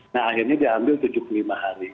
nah akhirnya diambil tujuh puluh lima hari